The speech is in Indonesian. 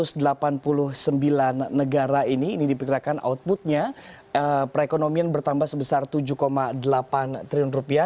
untuk perusahaan yang telah mencapai satu ratus delapan puluh sembilan negara ini ini diperkirakan outputnya perekonomian bertambah sebesar tujuh delapan triliun rupiah